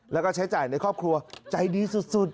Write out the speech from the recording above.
แล้วก็ใช้จ่ายในครอบครัวใจดีสุด